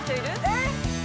えっ？